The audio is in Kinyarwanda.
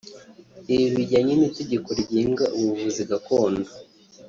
Ibi bijyanye n’itegeko rigenga ubuvuzi gakondo